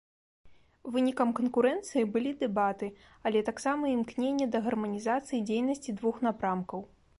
Вынікам канкурэнцыі былі дэбаты, але таксама імкненне да гарманізацыі дзейнасці двух напрамкаў.